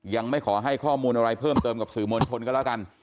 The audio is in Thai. ยังไม่ขอให้ข้อมูลอะไรเพิ่มเติมกับสื่อมวลชนก็แล้วกัน